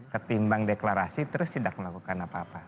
ketimbang deklarasi terus tidak melakukan apa apa